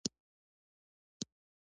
دوی لومړی سوداګر وو.